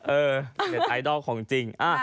เน็ตไอดอลของจริง